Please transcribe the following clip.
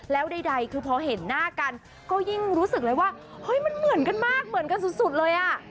แล้วใดคือพอเห็นหน้ากันก็ยิ่งรู้สึกเลยว่าเฮ้ยมันเหมือนกันมากเหมือนกันสุดเลยอ่ะ